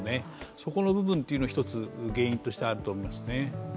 そこの部分が一つ原因としてあると思いますね。